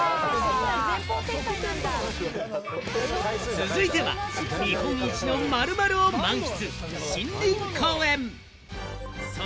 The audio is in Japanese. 続いては、日本一の○○を満喫！